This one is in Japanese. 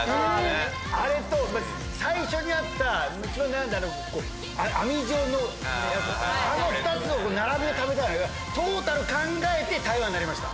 あれと最初にあった一番悩んだ網状のあの２つを並べて食べたいトータル考えて台湾になりました